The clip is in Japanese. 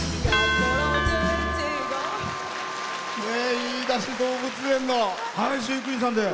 飯田市動物園の飼育員さんで。